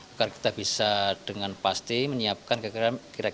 agar kita bisa dengan pasti menyiapkan kira kira mitigasinya seperti apa